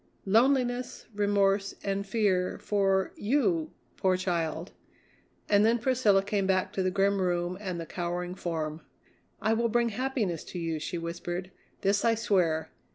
"Loneliness, remorse, and fear for you, poor child." And then Priscilla came back to the grim room and the cowering form. "I will bring happiness to you," she whispered; "this I swear.